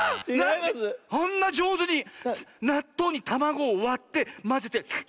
あんなじょうずになっとうにたまごをわってまぜて。